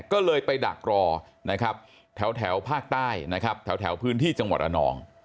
ก็เลยไปดักรอนะครับแถวภาคใต้นะครับแถวพื้นที่จังหวัดระนอง